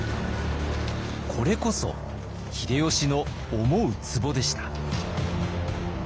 これこそ秀吉の思うつぼでした。